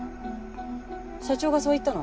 社長がそう言ったの？